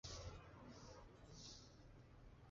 何以速为。